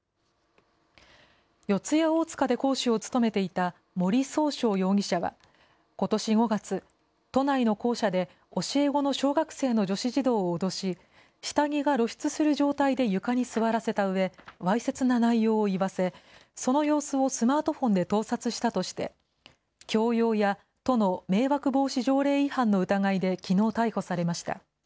四谷大塚で講師を務めていた森崇翔容疑者は、ことし５月、都内の校舎で、教え子の小学生の女子児童を脅し、下着が露出する状態で床に座らせたうえ、わいせつな内容を言わせ、その様子をスマートフォンで盗撮したとして、強要や都の迷惑防止条例違反の疑いできのう逮捕されました。